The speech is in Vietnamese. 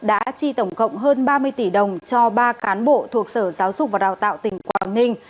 đã chi tổng cộng hơn ba mươi tỷ đồng cho ba cán bộ thuộc sở giáo dục và đào tạo tỉnh quảng ninh